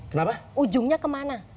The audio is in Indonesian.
kenapa ujungnya kemana